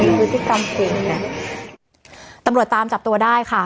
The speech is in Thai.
มีวิธีตรรรมจริงน่ะต่ำโหลดตามจับตัวได้ค่ะ